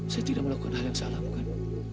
saya tidak melakukan hal yang salah bukan